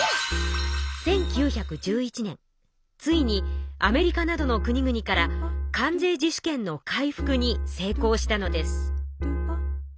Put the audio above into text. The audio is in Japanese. ついにアメリカなどの国々から関税自主権の回復に成功したのです。